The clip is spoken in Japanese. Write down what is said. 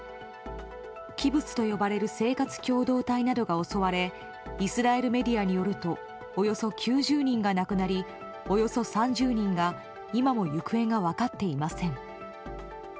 キブツと呼ばれる生活共同体などが襲われイスラエルメディアによるとおよそ９０人が亡くなりおよそ３０人が今も行方が分かっていません。